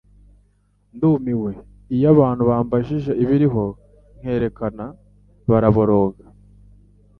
Ndumiwe: iyo abantu bambajije ibiriho, nkerekana, baraboroga.